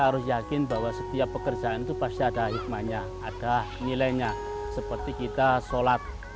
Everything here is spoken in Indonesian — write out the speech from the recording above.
harus yakin bahwa setiap pekerjaan itu pasti ada hikmahnya ada nilainya seperti kita sholat